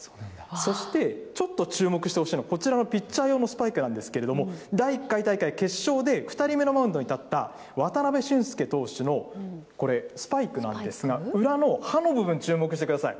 そして、ちょっと注目してほしいのがこちらのピッチャー用のスパイクなんですけれども、第１回大会決勝で、２人目のマウンドに立った渡辺俊介投手のこれ、スパイクなんですが、裏のはの部分、注目してください。